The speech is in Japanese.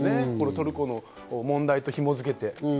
トルコの問題と紐づけて。